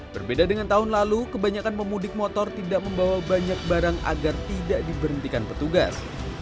berbeda dengan tahun lalu kebanyakan pemudik motor tidak membawa banyak barang agar tidak diberhentikan petugas